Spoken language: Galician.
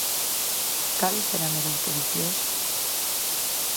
¿Cales eran esas posicións?